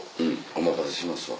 お任せしますわ。